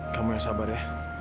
kamu yang sabar ya